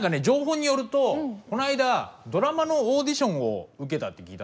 情報によるとこの間ドラマのオーディションを受けたって。